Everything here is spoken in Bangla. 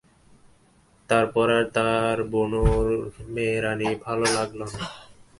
তারপর আর তাঁর বুনোর-মেয়ে রাণী ভাল লাগল না।